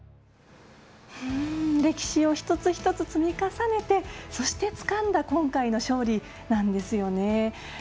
歴史を一つ一つ積み重ねてそして、つかんだ今回の勝利なんですよね。